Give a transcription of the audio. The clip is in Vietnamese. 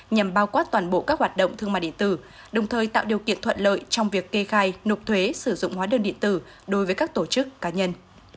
nhằm bao quát toàn bộ các hoạt động thương mại điện tử đồng thời tạo điều kiện thuận lợi trong việc kê khai nộp thuế sử dụng hóa đơn điện tử đối với các tổ chức cá nhân